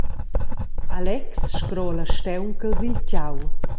Alex scrola staunchels il tgau.